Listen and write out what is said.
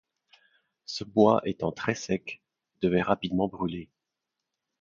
Ce bois étant très-sec, devait rapidement brûler.